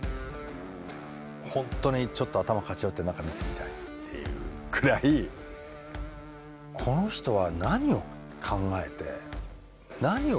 本当にちょっと頭かち割って中見てみたいっていうぐらいこの人は何を考えて何を具現化しようとしてるのか。